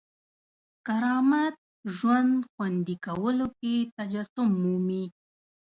کرامت ژوند خوندي کولو کې تجسم مومي.